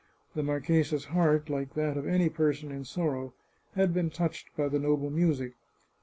The marchesa's heart, like that of any person in sorrow, had been touched by the noble music.